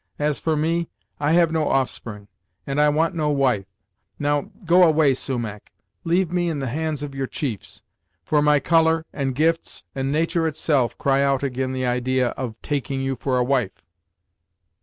As for me, I have no offspring, and I want no wife. Now, go away Sumach; leave me in the hands of your chiefs, for my colour, and gifts, and natur' itself cry out ag'in the idee of taking you for a wife."